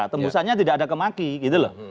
tembusannya tidak ada kemaki gitu loh